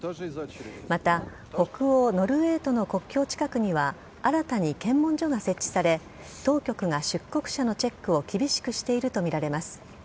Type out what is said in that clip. また、北欧・ノルウェーとの国境近くには新たに検問所が設置され当局が出国者のチェックを厳しくしているとみられます。